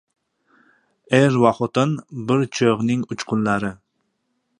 • Er va xotin ― bir cho‘g‘ning uchqunlari.